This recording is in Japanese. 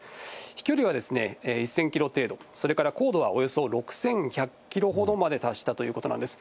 飛距離は１０００キロ程度、それから高度はおよそ６１００キロほどまで達したということなんです。